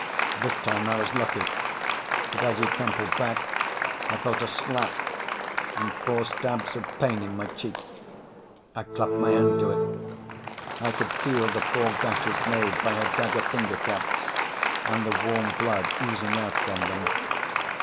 This time I was lucky. But as he crumpled back, I felt a slap and four stabs of pain in my cheek. I clapped my hand to it. I could feel the four gashes made by her dagger finger caps, and the warm blood oozing out from them.